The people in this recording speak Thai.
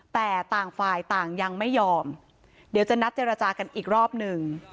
แต่ต่างฝ่ายต่างยังไม่ยอมเดี๋ยวจะนัดเจรจากันอีกรอบหนึ่ง